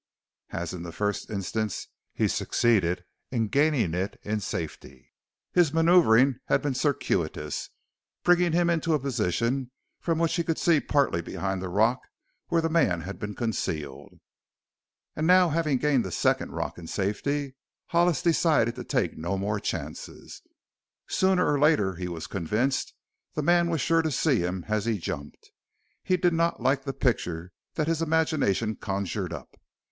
As in the first instance he succeeded in gaining it in safety. His maneuvering had been circuitous, bringing him into a position from which he could see partly behind the rock where the man had been concealed. And now, having gained the second rock in safety, Hollis decided to take no more chances. Sooner or later, he was convinced, the man was sure to see him as he jumped. He did not like the picture that his imagination conjured up.